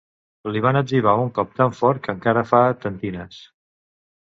Li van etzibar un cop tan fort, que encara fa tentines.